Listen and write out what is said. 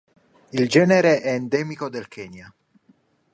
Il genere è endemico del Kenya.